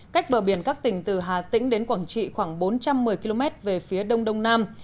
cách bờ biển các tỉnh từ hà tĩnh đến quảng trị khoảng bốn trăm một mươi km về phía đông đông nam